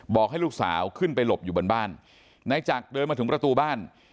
บอกให้ลูกสาวขึ้นไปหลบอยู่บนบ้านนายจักรเดินมาถึงประตูบ้าน